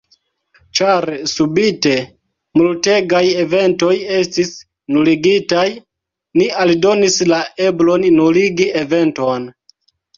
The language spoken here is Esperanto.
Ĉar subite multegaj eventoj estis nuligitaj, ni aldonis la eblon nuligi eventon.